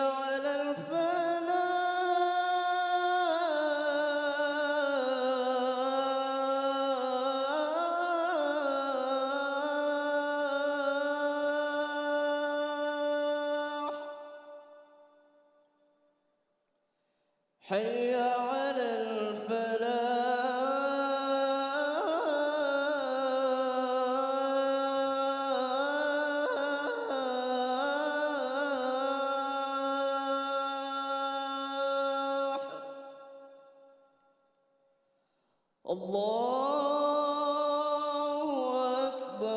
vlog paragraf satu ketiga